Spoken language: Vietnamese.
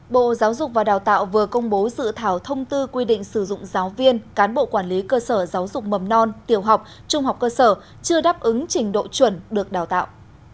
bộ giáo dục và đào tạo vừa công bố dự thảo thông tư quy định sử dụng giáo viên cán bộ quản lý cơ sở giáo dục mầm non tiểu học trung học cơ sở chưa đáp ứng trình độ chuẩn được đào tạo